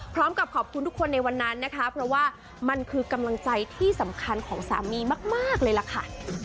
พร้อมกับขอบคุณทุกคนในวันนั้นนะคะเพราะว่ามันคือกำลังใจที่สำคัญของสามีมากเลยล่ะค่ะ